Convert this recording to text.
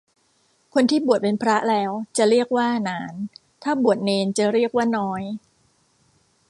คนที่บวชเป็นพระแล้วจะเรียกว่าหนาน ถ้าบวชเณรจะเรียกน้อย